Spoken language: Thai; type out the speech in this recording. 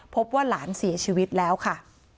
พบว่าหลานเสียชีวิตแล้วค่ะ